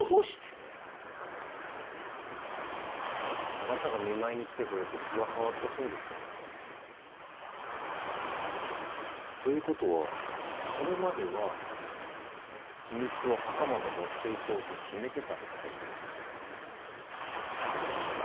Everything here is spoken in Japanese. あなたが見舞いに来てくれて気が変わったそうですよ。ということはそれまでは秘密を墓まで持っていこうと決めてたってことです。